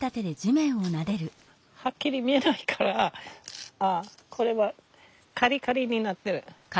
はっきり見えないからああこれはカリカリになってる。